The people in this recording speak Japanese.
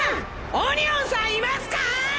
オニオンさんいますか！？